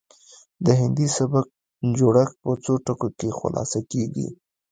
د هندي سبک جوړښت په څو ټکو کې خلاصه کیږي